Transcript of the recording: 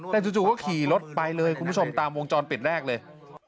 แต่จู่ก็ขี่รถไปเลยคุณผู้ชมตามวงจรปิดแรกเลย